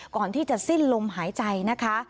ก่อนที่จะสิ้นลมหายใจนะคะ